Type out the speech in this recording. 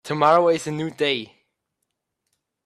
Tomorrow is a new day.